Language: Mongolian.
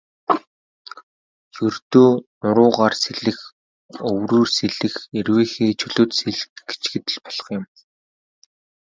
Ердөө нуруугаар сэлэх, өврөөр сэлэх, эрвээхэй, чөлөөт сэлэлт гэчихэд л болох юм.